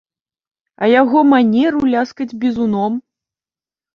А яго манеру ляскаць бізуном!